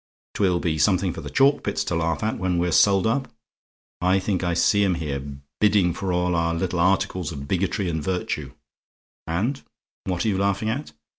'Twill be something for the Chalkpits to laugh at when we're sold up. I think I see 'em here, bidding for all our little articles of bigotry and virtue, and what are you laughing at?